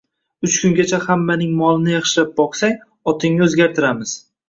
Uch kungacha hammaning molini yaxshilab boqsang, otingni o‘zgartiramiz.